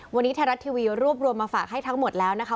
วันนี้ไทยรัฐทีวีรวบรวมมาฝากให้ทั้งหมดแล้วนะคะ